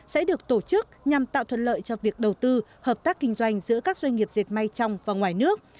sẽ được tổ chức nhằm tạo thuận lợi cho việc đầu tư hợp tác kinh doanh giữa các doanh nghiệp diệt may trong và ngoài nước